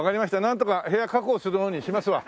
なんとか部屋確保するようにしますわ。